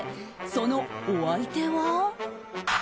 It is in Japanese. ［そのお相手は？］